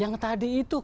yang tadi itu